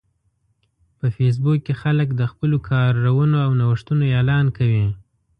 په فېسبوک کې خلک د خپلو کارونو او نوښتونو اعلان کوي